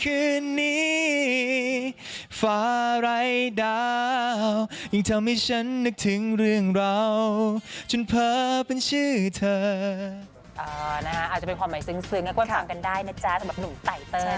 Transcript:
เอ่อนะฮะอาจจะเป็นความหมายซึ้งนะครับความฟังกันได้นะจ๊ะสำหรับหนุ่มไตเติล